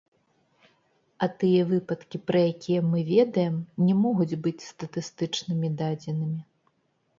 А тыя выпадкі, пра якія мы ведаем, не могуць быць статыстычнымі дадзенымі.